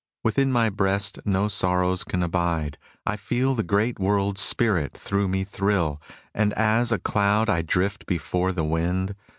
Within my breast no sorrows can abide, I feel the great world's spirit through me thrill ; And as a cloud I drift before the wind.